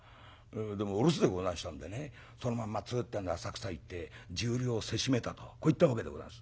でもお留守でござんしたんでねそのまままっつぐってんで浅草行って１０両せしめたとこういったわけでござんす」。